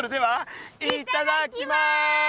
いただきます！